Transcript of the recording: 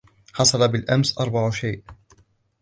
حصل بالأمس أروع شيء.